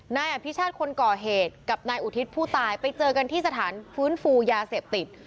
นายอภิชาติคนก่อเหตุกับนายอุทิศผู้ตายไปเจอกันที่สถานฟื้นฟูยาเสพติด